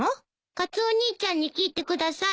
カツオ兄ちゃんに聞いてください。